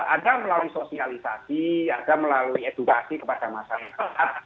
ada melalui sosialisasi ada melalui edukasi kepada masyarakat